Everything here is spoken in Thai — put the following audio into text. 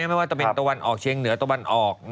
ไม่ว่าจะเป็นตะวันออกเชียงเหนือตะวันออก